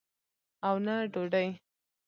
او نه ډوډۍ.